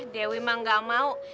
dewi emang gak mau